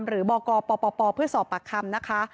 หรือบ่อกรป่อเพื่อสอบปากคำนะคะ